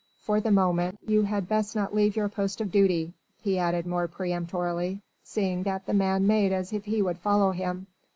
"For the moment you had best not leave your post of duty," he added more peremptorily, seeing that the man made as he would follow him.